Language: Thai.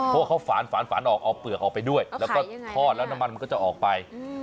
เพราะว่าเขาฝานฝานออกเอาเปลือกออกไปด้วยแล้วก็ทอดแล้วน้ำมันมันก็จะออกไป